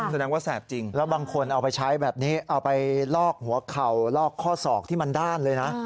แสดงว่าแสบจริงแล้วบางคนเอาไปใช้แบบนี้เอาไปลอกหัวเข่าลอกข้อศอกที่มันด้านเลยนะ